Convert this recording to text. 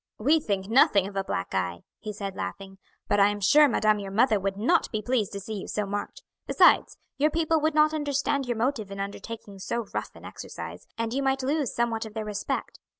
"We think nothing of a black eye," he said laughing, "but I am sure madame your mother would not be pleased to see you so marked; besides, your people would not understand your motive in undertaking so rough an exercise, and you might lose somewhat of their respect.